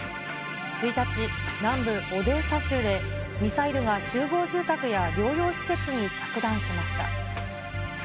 １日、南部オデーサ州で、ミサイルが集合住宅や療養施設に着弾しました。